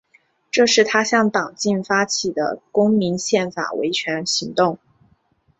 这是他向党禁发起的公民宪法维权行动。